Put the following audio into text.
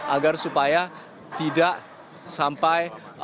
agar supaya tidak sampai